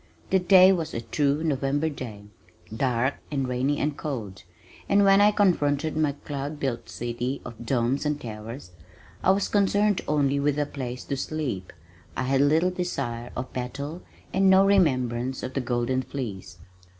The day was a true November day, dark and rainy and cold, and when I confronted my cloud built city of domes and towers I was concerned only with a place to sleep I had little desire of battle and no remembrance of the Golden Fleece.